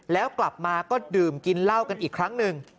แล้วกลับมาก็ดื่มกินเหล้ากันอีกครั้งหนึ่ง